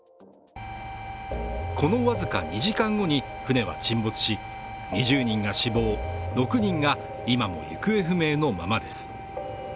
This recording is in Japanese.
この僅か２時間後に船は沈没し２０人が死亡、６人が今も行方不明のままです。